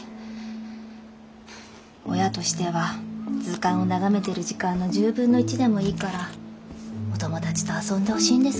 親としては図鑑を眺めてる時間の１０分の１でもいいからお友達と遊んでほしいんですけどね。